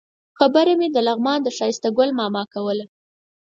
خبره مې د لغمان د ښایسته ګل ماما کوله.